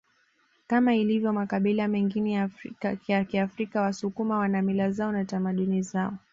Kama ilivyo makabila mengine ya Kiafrika wasukuma wana mila zao na tamaduni zao